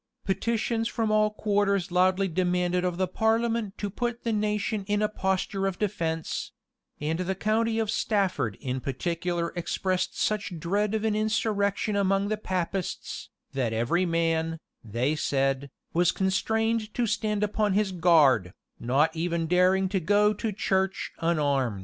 [] Petitions from all quarters loudly demanded of the parliament to put the nation in a posture of defence; and the county of Stafford in particular expressed such dread of an insurrection among the Papists, that every man, they said, was constrained to stand upon his guard, not even daring to go to church unarmed.